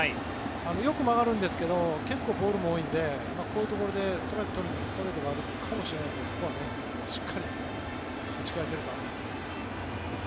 よく曲がるんですけど結構、ボールも多いんでこういうところでストライクを取りに来るストレートがあるかもしれないのでそこはしっかり打ち返せるか。